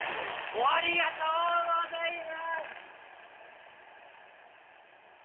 おありがとうございまーす！